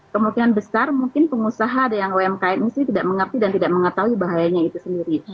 kemungkinan besar mungkin pengusaha ada yang umkm ini sendiri tidak mengerti dan tidak mengetahui bahayanya itu sendiri